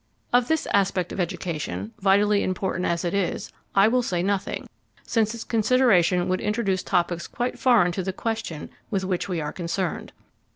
Of this aspect of education, vitally important as it is, I will say nothing, since its consideration would introduce topics quite foreign to the question with which we are concerned.